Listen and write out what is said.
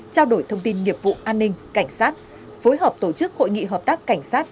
trao đổi thông tin nghiệp vụ an ninh cảnh sát phối hợp tổ chức hội nghị hợp tác cảnh sát